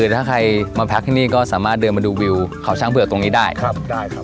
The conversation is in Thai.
ถ้าใครมาพักที่นี่ก็สามารถเดินมาดูวิวเขาช่างเผือกตรงนี้ได้ครับได้ครับ